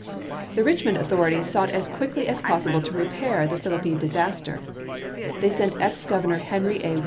The Richmond authorities sought as quickly as possible to repair the Philippi disaster. They sent ex Governor Henry A.